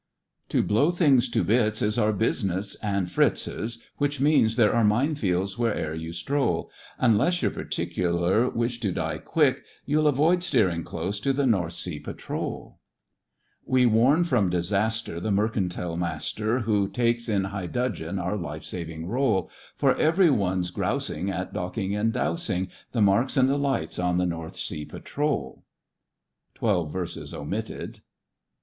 " To blow things to bits is our business {and Fritzs), Which means there are mine fields wher ever yon stroll. Unless you've particular wish to die quick you II avoid steering close to the North Sea Patrol. 101 102 THE FRINGES OF THE FLEET "We warn from disaster the mercantile master Who takes in high dudgeon our life saving role, For every one's grousing at docking and dowsing The marks and the lights on the North Sea Patrol" [Twelve verses omitted.